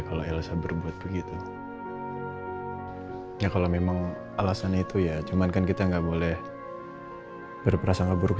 kalau elsa berbuat begitu ya kalau memang alasan itu ya cuman kan kita nggak boleh berperasa gak buruk